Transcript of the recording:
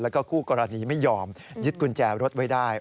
แล้วก็คู่กรณีไม่ยอมยึดกุญแจรถไว้ได้